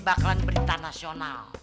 bakalan berita nasional